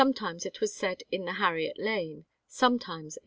times it was said in the Harriet Lane, sometimes in sau.